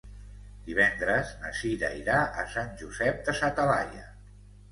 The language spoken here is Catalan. Divendres na Cira irà a Sant Josep de sa Talaia.